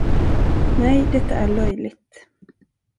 Nej, detta är löjligt.